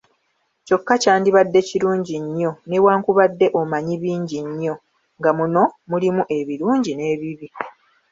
Kyokka kyandibadde kirungi nnyo newankubadde omanyi bingi nnyo nga muno mulimu ebirungi n’ebibi.,